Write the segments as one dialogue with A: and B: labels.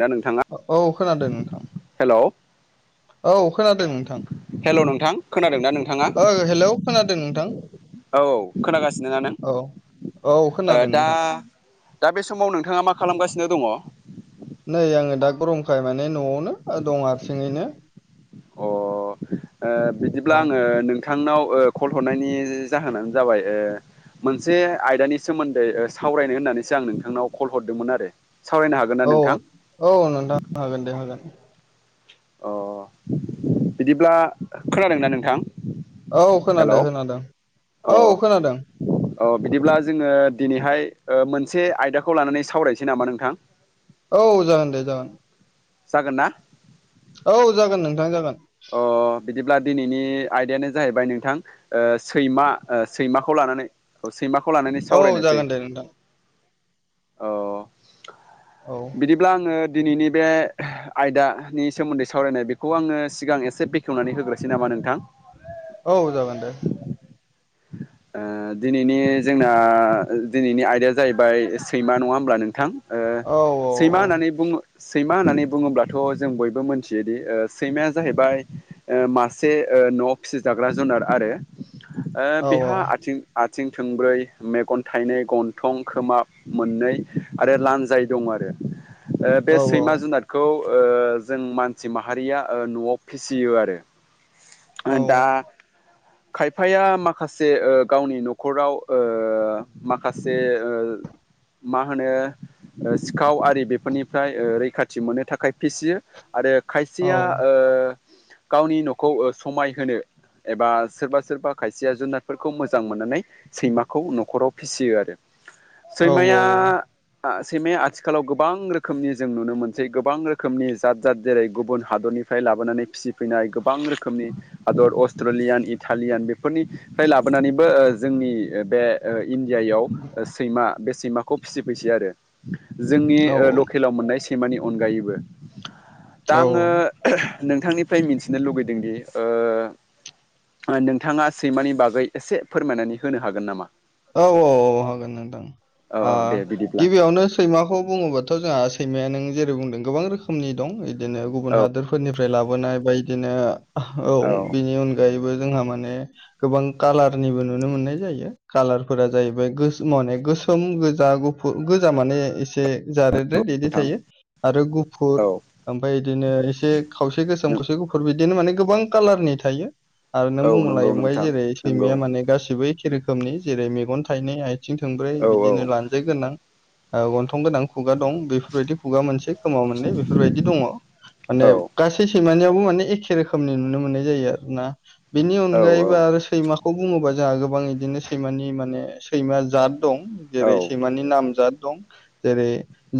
A: दा नोंथाङा
B: औ खोनादों नोंथां।
A: हेलौ
B: औ खोनादों नोंथां।
A: हेलौ नोंथां खोनादोंना नोंथाङा
B: ओ‌ हेलौ खोनादों नोंथां
A: औ औ खोनागासिनो ना नों
B: औ औ
A: ओ
B: खोनादों
A: दा
B: नोंथां
A: दा बे समाव नोंथाङा मा खालामगासिनो दङ
B: नै आङो दा गरमखाय माने न'आवनो दं हारसिङैनो।
A: अ बिदिब्ला
B: औ
A: आङो नों नोंथांनाव कल हरनायनि जाहोनानो जाबाय ओ मोनसे आयदानि सोमोन्दै सावरायनो होननानैसो आं नोंथांनाव कल हरदोंमोन आरो। सावरायनो हागोन ना
B: औ
A: नोंथां?
B: औ नोंथां हागोन दे हागोन
A: अ बिदिब्ला खोनादोंना नोंथां?
B: औ खोनादों
A: हेलौ
B: खोनादों औ खोनादों।
A: औ बिदिब्ला जोङो दिनैहाय मोनसे आयदाखौ लानानै सावरायनोसै नामा नोंथां?
B: औ जागोन दे जागोन।
A: जागोन ना?
B: औ जागोन नोंथां जागोन।
A: अ बिदि दिनैनि आयदायानो जाहैबाय नोंथां ओ सैमा ओ सैमाखौ लानानै सैमाखौ लानानै
B: औ
A: सावरायनोसै।
B: जागोन दे नोंथां
A: अ
B: औ
A: बिदिब्ला आङो दिनैनि बे आयदानि सोमोन्दै सावरायनाय बेखौ आङो सिगां एसे बेखेवनानै होग्रोसै नामा नोंथां?
B: औ जागोन दे।
A: [inaudible] ओ दिनैनि जोंना दिनैनि आयदाया जाहैबाय सैमा नङा होमब्ला नोंथां? ओ
B: औ औ
A: सैमा होननानै बुङो सैमा होननानै बुङोब्लाथ' जों बयबो मिथियोदि सैमाया जाहैबाय मासे न'आव फिसिजाग्रा जुनार आरो। ओ
B: औ
A: बिहा आथिं आ आथिं थोंब्रै, मेगन थाइनै, गन्थं खोमा मोननै आरो लान्जाय दं आरो। ओ बे
B: औ
A: सैमा जुनादखौ ओ जों मानसि माहारिया ओ न'आव फिसियो आरो
B: औ
A: दा खायफाया माखासे गावनि न'खराव ओ माखासे माखासे ओ मा होनो सिखाव आरि बेफोरनिफ्राय ओ रैखाथि मोननो थाखाय फिसियो आरो
B: औ
A: खायसेया ओ गावनि न'खौ समाय होनो एबा सोरबा सोरबा खायसेया जुनारफोरखौ मोजां मोननानै सैमाखौ न'खराव फिसियो आरो।
B: औ
A: सैमाया सैमाया आथिखालाव गोबां रोखोमनि जों नुनो मोनसै गोबां रोखोमनि जाद जाद जेरै गुबुन हादरनि निफ्राय लाबोनानै फिसिफैनाय गोबां रोखोम रोखोमनि हादर अस्ट्रेलियान, इटालियान बेफोरनिफ्राय लाबोनानैबो जोंनि बे इण्डियायाव सैमा बे सैमाखौ फिसिफैसै आरो। जोंनि
B: औ
A: ओ लकेलाव मोननाय सैमानि अनगायैबो दा
B: औ
A: आङो
B: औ
A: नोंथांनिफ्राय मिथिनो लुगैदोंदि ओ नोंथाङा सैमानि बागै एसे फोरमायनानै होनो हागोन नामा?
B: औ औ औ हागोन नोंथां
A: औ औ दे बिदिब्ला
B: गिबियावनो सैमाखौ बुङोब्लााथ' जोंहा सैमाया नों जेरै बुंदों गोबां रोखोमनि दं बिदिनो गुबुन हादोरफोरनिफ्राय लाबोनाय बे बायदिनो औ बिनि अनगायैबो जोंहा माने गोबां कालारनिबो नुनो मोननाय जायो कालारफोरा जाहैबाय माने गोसोम गोजा गुफुर गोजा माने एसे जारेद रेद बिदि
A: नोंथां
B: थायो आरो
A: औ
B: गुफुर ओमफाय बिदिनो एसे खावसे गोसोम
A: नों
B: खावसे गुफुर बिदिनो माने गोबां कालारनि थायो आरो
A: औ
B: नों बुं
A: नंगौ
B: लायोबाय
A: नोंथां
B: जेरै
A: नंगौ
B: सैमाया माने गासिबो एखे रोखोमनि जेरै मेगन थाइनै आथिं थोंब्रै
A: औ औ
B: बिदिनो लानजाय गोनां गोनां खुगा दं बेफोरबायदि खुगा मोनसे खोमाव मोननै बेफोरबायदि दङ माने
A: औ
B: गासै सैमानियाव बो माने एखे रोखोमनि नुनो मोननाय जयो आरो ना बेनि
A: औ
B: अनगायैबो आरो सैमाखौ बुङोबा जोंहा गोबां इदिनो सैमानि माने सैमा जाद दं
A: औ
B: जेरै सैमानि नाम जाद दं जेरै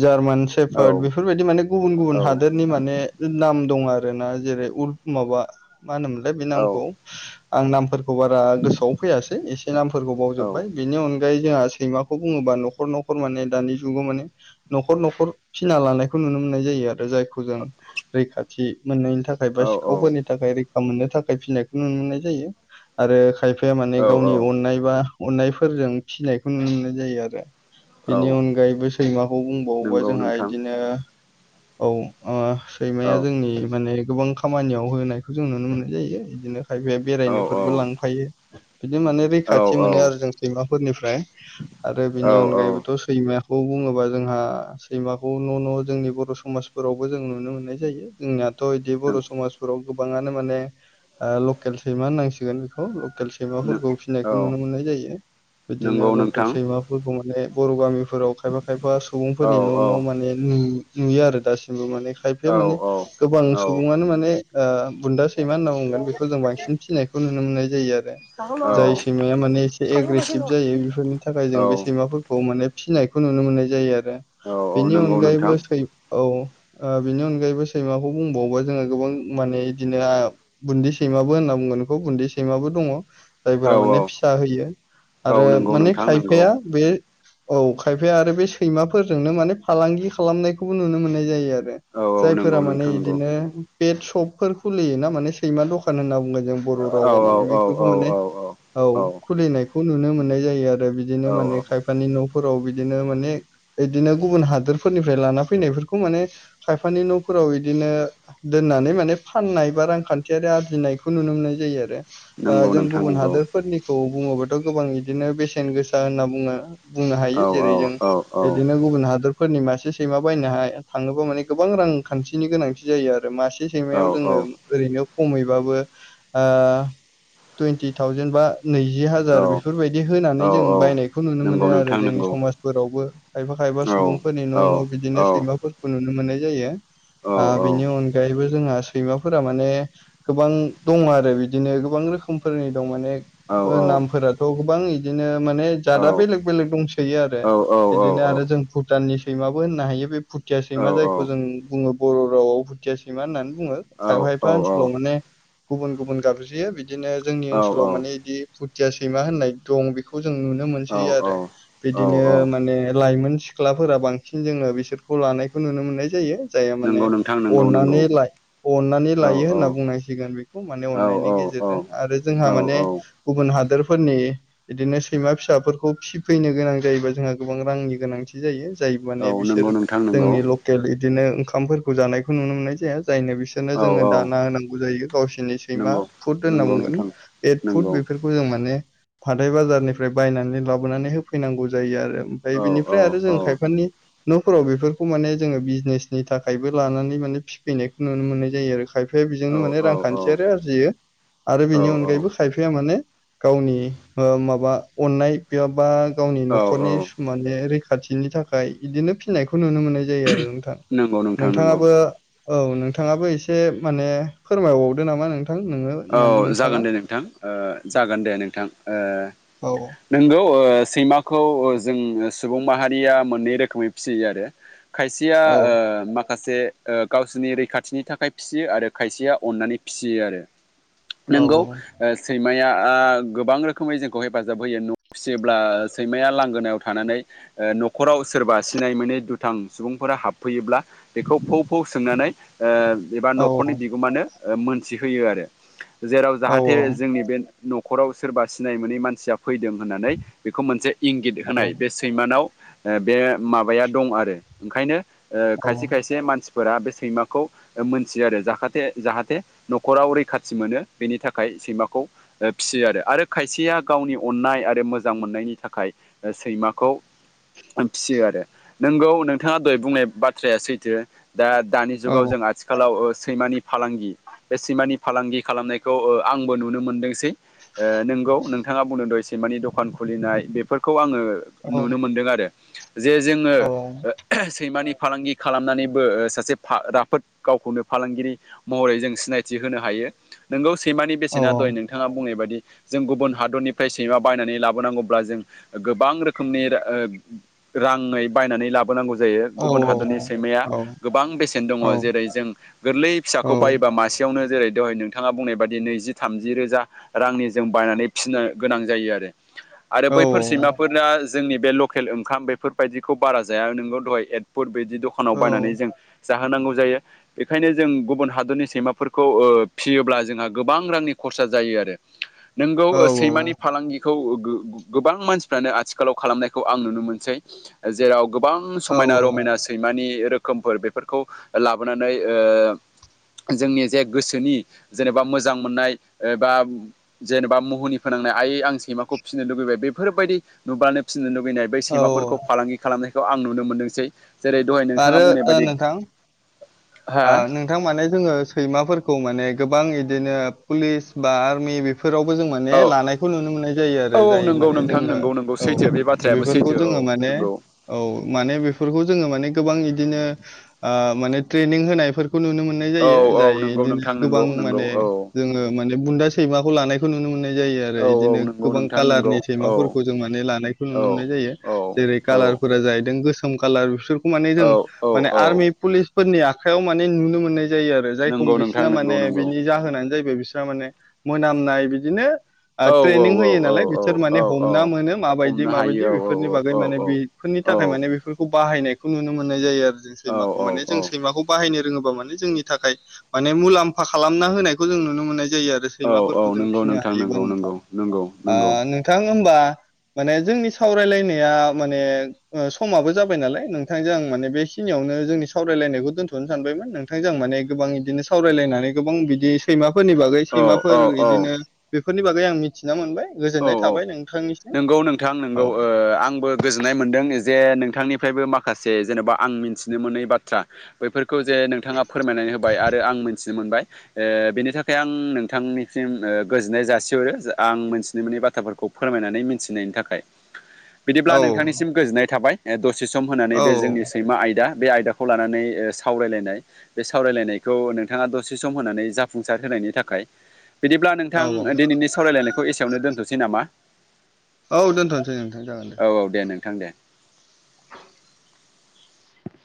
B: जार्मान
A: औ
B: सेफारट बेफोरबायदि माने गुबुन
A: औ
B: गुबुन हादोरनि माने नाम दं आर रोना जेरै उल माबा मा होनोमोनलाय बे
A: औ
B: नामखौ आं नामफोरखौ बारा गोसोआव फैयासै एसे नामफोरखौ बावजोबाय बेनि अनग गायै जोंहा सैमाखौ बुङोबा नखर नखर माने दानि जुगाव माने नखर नखर फिना लानायखौ नुनो मोननाय जायो आरो जायखौ जों रैखाथि मोननायनि थाखाय
A: औ
B: बा सिखावफोरनि थाखाय रै खा मोननो थाखाय फिनायखौ नुनो मोननाय जायो आरो खायफाया
A: औ
B: मानि गावनि अन बा अननायफोरजों फिनायखौ नुनो मोननाय जायो आरो बेनि
A: औ
B: अनगायैबो सैमाखौ बुंबावोबा
A: नंगौ
B: जोंहा
A: नोंथां
B: इदिनो औ ओ
A: औ
B: सैमाया जोंनि माने गोबां खामानियाव होनायखौ जों नुनो मोननाय जायो इदिनो खायफाया
A: औ
B: बेरायनोफोरबो लांफायो बिदि मान
A: औ
B: खाथि मोनो आरो जों सैमाफोरनिफ्राय आरो
A: औ
B: बिनि
A: औ
B: अनगायैबोथ सैमा खौ बुङोबा जोंहा सैमाखौ न न जोंनि बर समाजफोरावबो जों नुनो मोननाय जायो जोंना थ इदि बर समाजफोराव गोबाङानो माने ओ लकेल सैमा होननांसिगोन बेखौ केल
A: नों
B: सैमाफोरखौ फिनायखौ
A: औ
B: नुनो मोननाय जायो बिदिनो
A: नंगौ
B: लकेल
A: नोंथां
B: सैमाफोरखौ माने बर गामि फोराव खायफा खायफा
A: औ
B: सुबुंफोरनि न'
A: औ
B: न' माने नुय नुयो आरो दासिमबो माने खायफाया
A: औ
B: माने गोबां सुबुङानो माने ओ बुन्दा सैमा होनना बुंगोन बेखौ जों बांसिन फिनायखौ नुनो मोननाय जायो आरो जाय सैमाया माने एसे एग्रेसिभ जायो बेफोरनि थाखाय
A: औ
B: जों बे सैमाफोरखौ माने फिनायखौ नुनो मोननाय जायो आरो रो
A: औ औ
B: बेनि
A: नंगौ नोंथां
B: अनगायैबो सै औ ओ बिनि अनगायैबो सैमाखौ बुंबावोबा जोङो गोबां माने इदिनो आ बुन्दि सैमाबो होनना बुंगोनखौ बुन्दि सैमाबो दङ
A: औ
B: जायफोरा
A: औ
B: माने फिसा होयो
A: औ
B: आरो
A: नंगौ
B: माने
A: नोंथां नंगौ
B: खायफाया बे औ खायफाया आरो बे सैमाफोरजोंनो माने फालांगि खालामनायखौबो नुनो मोननाय जायो आरो
A: औ औ
B: जायफोरा
A: नंगौ
B: माने
A: नोंथां नंगौ
B: इदिनो पेट सपफोर खुलियोना माने सैमा दखान होनना बुंगोन जों बर
A: औ
B: रावाव माने
A: औ
B: बेफोरखौ
A: औ
B: माने
A: औ
B: औ खुलिनायखौ नुनो मोननाय जायो आरो बिदिनो
A: औ औ
B: माने खायफानि न' फोराव बिदिनो माने इदिनो गुबुन हादोरफोरनिफ्राय लाना फैनायफोरखौ माने खायफानि न'फोर फोराव बिदिनो दोननानै माने फाननाय बा रांखान्थियारि आरजिनायखौ नुनो मोननाय जायो आरो ओ
A: नंगौ
B: जों
A: नोंथां
B: गुबुन
A: नंगौ
B: हादोर औ बुङोबाथ गोबां इदिनो बेसेन गोसा होनना बुङो बुंनो
A: औ
B: हायो
A: औ
B: जेरै जों
A: औ औ
B: इदिनो गुबुन हादोर फोरनि मासे सैमा बायनो हाय थाङोबा माने गोबां रांखान्थिनि गोनांथि जायो आरो मासे से
A: औ
B: सैमायाव जोङो ओरैनो खमै बाबो ओ टुइनटि टाव नैजि
A: औ
B: हाजार बेफोरबायदि होनानै
A: औ
B: जों
A: औ
B: बायनायखौ नुनो
A: नंगौ
B: मोनो आरो
A: नोंथां
B: जोंनि
A: नंगौ
B: समाजफोरावबो खायफा खायफा
A: औ
B: सुबुंफोरनि न'
A: औ
B: न' बिदिनो
A: औ
B: सैमाफोरखौ नुनो मोनाय जायो
A: औ
B: आ बिनि अनैबो जोंहा सैमाफोरा माने गोबां दङ आरो बिदिनो गोबां रोखोमफोरनि दं माने
A: औ
B: ओ नामफोराथ' गोबां इदिनो माने
A: औ
B: जादा
A: औ
B: बेलेग बेलेग दंसयो आरो
A: औ
B: इदिनो आरो जों भुटाननि सै सैमाबो होननो हायो बे भुथिया सैमा जायखौ जों बुङो बर' राव भुथिया सैमा होननानै बुङो खायबा खायफा ओनसोलाव माने गुबुन गुबुन गाबज्रियो बिदिनो जोंनि
A: औ
B: ओनसो लाव माने इदि भुथिया सैमा होननाय दं बेखौ जों नुनो
A: औ
B: मोनसै
A: औ
B: आरो बिदिनो माने लाइमोन सिख्लाफोरा बांसिन जोङो बेसोरखौ लानायखौ नुनो मोननाय जायो। जायो माने
A: नंगौ नोंथां नंगौ नंगौ
B: अननानै लाय अननानै
A: औ
B: लायो
A: औ
B: होनना बुंनांसिगोन बे माने
A: औ
B: अनायनि गेजेरजों आरो
A: औ
B: जोंहा माने गुबुन हादोरफोरनि बिदिनो सैमा फिसाफोरखौ फिफैनो गोनां जायोबा जोंहा गोबां रांनि गोनांथि जायो जाय
A: औ
B: माने
A: नंगौ
B: बिसोर
A: नोंथां नंगौ
B: जोंनि लखेल बिदिनो ओंखामफोरखौ जानायखौ नुनो मोननाय जाया जायनो बिसोरनो
A: औ
B: जोङो
A: औ
B: दाना होनांगौ जायो गावसोर दिनै सैमा
A: नंगौ
B: फुट होनना
A: नंगौ
B: बुंगोन।
A: नोंथां
B: फेद फुद
A: नंगौ
B: बेफोरखौ जों माने हाथाय बाजारनिफ्राय बायनानै लाबोनानै होफैनांगौ जायो आरो ओमफ्राय
A: औ औ
B: बिनिफ्राय आरो
A: औ
B: जों खायफानि न'फोराव बेफोरखौ माने जोङो बिजनेसनि थाखायबो लानानै माने फिफैनायखौ नुनो मोननाय जायो आरो खाय फ्राय
A: औ
B: बेजोंनो माने
A: औ
B: रांखान्थिय आरो आरजियो आरो बेनि अनगायैबो खायफाया माने गावनि माबा अननाय बा गावनि
A: औ
B: न'खरनि
A: औ
B: माने रैखाथिनि थाखाय बिदिनो फिनायखौ नुनो मोननाय जायो आरो नोंथां
A: नंगौ नोंथां नंगौ
B: नोंथाङाबो औ नोंथाङाबो एसे माने फोरमायबावदो नामा नोंथां नोङो
A: औ
B: माने
A: जागोन
B: नोंथाङा।
A: दे नोंथां जागोन दे नोंथां
B: औ
A: ओ नोंगौ ओ सैमाखौ जों सुबुं माहारिया मोननै रोखोमै फिसियो आरो। खायसेया
B: औ
A: ओ मा खासे ओ गावसोरनि रैखाथिनि थाखाय फिसियो आरो खायसेया अननानै फिसियो आरो।
B: औ
A: नोंगौ ओ सै माया गोबां रोखोमै जोंखौ हेफाजाब होयो न' फिसियोब्ला सैमाया लांगोनायाव थानानै न'खराव सोरबा सिनाय मोनै दुथां सुबुंफोरा हाबफैयोब्ला बेखौ फौ- फौ सोंनानै ओ एबा
B: औ
A: न'खरनि बिगोमानो मोनथिहोयो आरो। जेराव
B: औ
A: जाहाथे जोंनि बे न'खराव सोरबा सिनाय मोनै मानसिया फैदों होननानै बेखौ मोनसे इंगित होनाय बे सैमानाव बे माबाया दं आरो ओंखायनो
B: औ
A: खायसे- खायसे मानसि फोरा बे सैमाखौ मोनथियो आरो जाथे- जाहाथे न'खराव रैखाथि मोनो बेनि थाखाय सैमाखौ फिसियो आरो आरो खायसेया गावनि अननाय आरो मोजां मोननाय नि थाखाय सैमाखौ फियो आरो नोंगौ नोंथाङा दहाय बुंनाय बाथ्राया सैथो। दा -दानि जुगाव
B: औ
A: जों आथिखालाव सैमानि फालांगि बे सैमानि फालांगि खालामनायखौ आंबो नुनो मोनदोंसै नोंगौ नोंथाङा बुंदों दहाय सै -मानि दखान खुलिनाय बेफोरखौ आङो नुनो मोनदों आरो। जे जोङो
B: औ
A: सैमानि फालांगि खालामनानैबो सासे राफोद गावखौनो फालांगिरि महरै जों सिनायथि होनो हायो नोंगौ सैमानि
B: औ
A: बेसेना
B: औ
A: दय नोंथाङा बुङै बादि जों गुबुन हादरनिफ्राय सैमा बायनानै लाबोनांगौब्ला जों गोबां रोखोमनि राङै बायनानै लाबो नांगौ जायो
B: औ
A: गुबुन हादोरनि सैमाया
B: औ
A: गोबां बेसेन दङ
B: औ
A: जेरै जों गोरलै
B: औ
A: फिसाखौ बायोबा मासे दहाय नोंथाङा बुंनाय बाददि नैजि- थामजि रोजा रांनि जों बायनानै फिनो गोनां जायो आरो। आरो
B: औ
A: बैफोर सैमाफोरना जोंनि बे लकेल ओंखाम बेफोरबायदिखौ बारा जाया नोंगौ दहाय एदपुट बिदि दखानाव
B: औ
A: बायनानै जों जाहोनांगौ जायो बेखायनो जों गुबुन हादरनि सैमाफोर -खौ फियोब्ला जोंहा गोबां रांनि खरसा जायो आरो। नोंगौ
B: औ
A: सैमानि फालांगिखौ गोबां मानसिफ्रानो आथिखालाव खालामनायखौ आं नुनो मोनसै जेराव गोबां
B: औ
A: समायना रमायना सैमानि रो खोमफोर बेफोरखौ लाबोनानै ओ जोंनि जे गोसोनि जेनेबा मोजां मोननाय एबा जेनेबा मुहुनि फोनांनाय आयै आं सैमा खौ फिनो लुबैबाय बेफोरबायदि नुबानो फि फिनो लुुबैनाय बै सैमाफोरखौ
B: औ
A: फालांगि खालामनायखौ आं नुनो मोनदोंसै। जेरै दहाय नोंथाङा
B: आरो
A: बुंनाय
B: ओ
A: बादि
B: नोंथां
A: हा
B: ओ नोंथां माने जोङो सैमाफोर खौ माने गोबां इदिनो पुलिस बा आर्मि बेफ फोरावबो जों माने
A: औ
B: लानायखौ नुनो मोननाय जायो आरो
A: औ
B: जाय
A: नंगौ
B: माने
A: नोंथां
B: जोङो
A: नंगौ नंगौ
B: औ।
A: सैथो बे बाथ्रायाबो
B: बेफोरखौ
A: सैथो औ
B: जोङो माने
A: नंगौ
B: औ माने बेफोरखौ जोङो माने गोबां इदिनो ओ माने ट्रेनिं होनायफोर खौ नुनो मोननाय
A: औ
B: जायो
A: औ
B: जाय
A: नंगौ
B: इदिनो
A: नोंथां नंगौ
B: गोबां
A: नंगौ
B: माने
A: औ
B: जोङो माने बुन्दा सैमाखौ लानायखौ नुनो मोननाय जायो आरो
A: औ औ
B: इदिनो
A: नंगौ
B: गोबां
A: नोंथां नंगौ
B: कालारनि
A: औ
B: सैमाफोरखौ जों माने लानायखै
A: औ
B: नुनो मोनाय जायो
A: औ
B: जेरै
A: औ
B: काला लारफोरा जाहैदों गोसो सोम कालार बिसोरखौ माने
A: औ
B: जों
A: औ
B: माने
A: औ
B: आर्मि पुलिसफोरनि आखाइयाव माने नुनो मोननाय जायो आरो जायखौ
A: नंगौ नोंथां
B: बिसिना
A: नंगौ
B: माने
A: नंगौ
B: बिनि जाहोनानो जाहैबाय बिसना माने मोनामनाय बिदिनो ओ
A: औ औ
B: ट्रेनिं
A: औ
B: होयो नालाय
A: औ
B: बिसोर माने
A: औ औ
B: हमना मोनो माबायदि
A: हमनो
B: माबायदि
A: हायो औ
B: बेफोरनि बागै
A: औ
B: माने बे नि
A: औ
B: थाखाय माने बेफोरखौ बाहायनायखौ नुनो मोननाय जायो आरो जों सैमाखौ माने
A: औ
B: जों सैमाखौ बाहायनो रोङोबा माने जोंनि थाखाय माने मुलाम्फा खालामना होनायखौ जों नुनो मोननाय जायो आरो
A: औ औ
B: सैमाफोरखौ जों
A: नंगौ
B: फिनो
A: नोंथां
B: हायोबा
A: नंगौ
B: नोंथां
A: नंगौ नंगौ नंगौ
B: ओ नोंथां होमबा माने जोंनि सावरायलायनाया माने ओ समाबो जाबाय नालाय नोंथांजों आं माने बेखिनि खिनिआवनो जोंनि साव सावरायलायनायखौ दोन्थ'नो सानबायमोन नोंथांजों आं माने गोबां इदिनो सावरायलायनानै गोबां बिदि सैमा फोरनि बागै
A: औ
B: सैमाफोर
A: औ औ
B: इदिनो बेफोरनि बागै आं मिथिना मोनबाय
A: औ
B: गोजोननाय
A: औ
B: थाबाय नों
A: नोंगौ नोंथां नोंगौ ओ आंबो गोजोननाय मोनदों जे नोंथांनिफ्रायबो माखा खासे जेनेबा आं मिथिनो मोनै बाथ्रा बैफोरखौ जे नोंथाङा फोरमायनानै होबाय आरो आं मिथिनो मोन बाय ओ बेनि थाखाय आं नोंथांनिसिम ओ गोजोननाय जासिहरो आं मोनस नि मोनि बाथ्राफोरखौ फोरमायनानै मिथिनायनि थाखाय बिदिब्ला
B: औ
A: नोंथांनिसिम गोजोननाय थाबाय ओ दस सि सम होनानै
B: औ
A: बे जोंनि सैमा आयदा बे आयदाखौ लानानै ओ सावरायलायनाय बे सावरायलायनायखौ नोंथाङा दसे सम होनानै जाफुंसार होनाय नायनि थाखाय बिदिब्ला
B: औ
A: नोंथां दिनैनि सावरायलायनायखौ एसेयावनो दोनथ'नोसै नामा?
B: औ दोनथ'नोसै नोंथां जागोन दे।
A: थां दे।